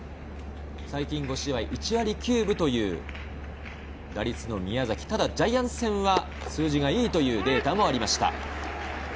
最近の５試合では１割９分という打率の宮崎、ただジャイアンツ戦は数字がいいというデータもありました。